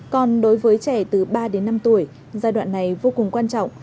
còn đối với trẻ từ ba đến năm tuổi giai đoạn này vô cùng quan trọng